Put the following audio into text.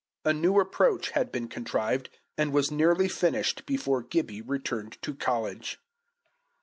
A new approach had been contrived, and was nearly finished before Gibbie returned to college.